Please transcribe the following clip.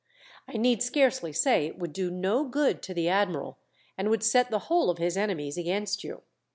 I need scarcely say it would do no good to the admiral, and would set the whole of his enemies against you.